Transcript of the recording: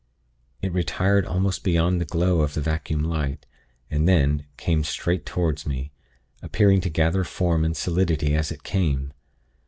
It retired almost beyond the glow of the vacuum light, and then came straight toward me, appearing to gather form and solidity as it came.